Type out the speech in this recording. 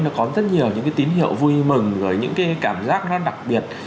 nó có rất nhiều những cái tín hiệu vui mừng rồi những cái cảm giác nó đặc biệt